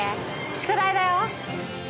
宿題だよ」